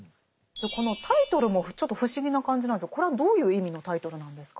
このタイトルもちょっと不思議な感じなんですけどこれはどういう意味のタイトルなんですか？